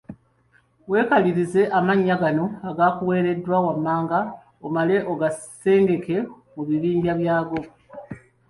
Weekalirize amannya gano agakuweereddwa wammanga omale ogasengeke mu bibinja byago.